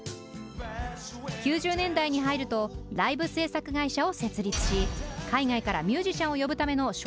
９０年代に入るとライブ制作会社を設立し海外からミュージシャンを呼ぶための招聘